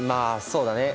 そうだね